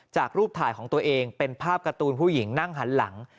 จากรูปถ่ายของตัวเองเป็นภาพการ์ตูนผู้หญิงนั่งหันหลัง